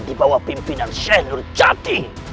di bawah pimpinan syekh nurjati